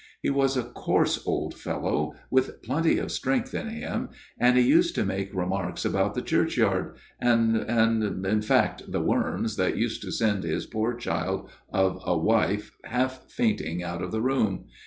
He was a coarse old fellow, with plenty of strength in him ; and he used to make remarks about the churchyard and and in fact the worms, that used to send his poor child of a wife half fainting out of the room.